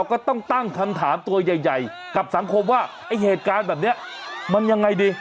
คำถามตัวใหญ่กับสังคมว่าไอ้เหตุการณ์แบบนี้มันยังไงดิ